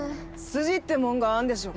筋ってもんがあんでしょ。